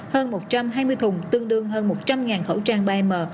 hơn một trăm hai mươi thùng tương đương hơn một trăm linh khẩu trang bay m